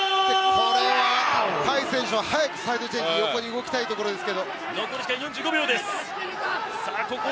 これは海選手は早くサイドチェンジして横に動きたいんですが。